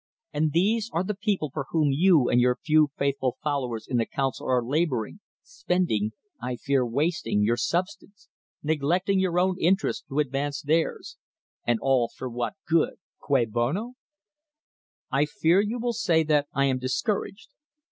And these are the people for whom you and your few faithful followers in the Council are labouring, spending (I fear wasting) your substance — neglecting your own interest to advance theirs, and all for what good —" cui bono"? I fear you will say that I am discouraged.